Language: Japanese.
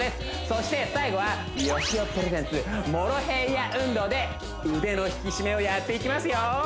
そして最後はよしおプレゼンツモロヘイヤ運動で腕の引き締めをやっていきますよ